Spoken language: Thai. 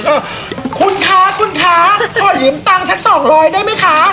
ก็คุณค่ะคุณค่ะพอยิ้มตังสักสองรอยได้ไหมค่ะ